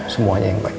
semuanya yang baik